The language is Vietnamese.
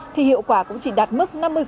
thì hiệu quả cũng chỉ đạt mức năm mươi